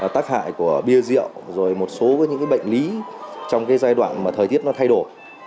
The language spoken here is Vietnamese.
tác hại của bia rượu rồi một số những bệnh lý trong cái giai đoạn mà thời tiết nó thay đổi